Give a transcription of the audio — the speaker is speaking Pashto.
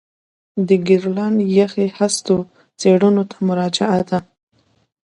د ګرینلنډ یخي هستو څېړنو ته مراجعه ده